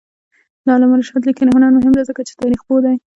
د علامه رشاد لیکنی هنر مهم دی ځکه چې تاریخپوه دی.